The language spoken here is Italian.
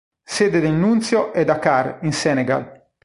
Sede del Nunzio è Dakar in Senegal.